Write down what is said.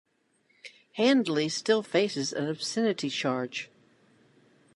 Handley still faces an obscenity charge.